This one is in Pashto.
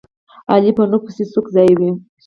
علي په نوک پسې سوک ځایوي.